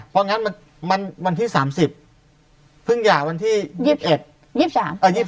พออย่างนั้นวันที่๓๐พึ่งยาวันที่๒๑